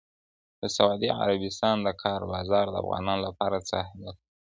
د سعودي عربستان د کار بازار د افغانانو لپاره څه اهمیت لري؟